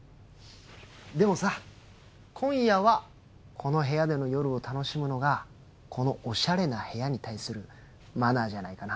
でもさ今夜はこの部屋での夜を楽しむのがこのおしゃれな部屋に対するマナーじゃないかな？